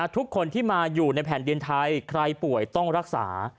ทุกคนที่มาอยู่ในแผ่นดินไทยใครป่วยต้องรักษา